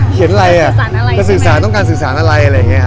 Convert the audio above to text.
เขียนอะไรอ่ะสื่อสารต้องการสื่อสารอะไร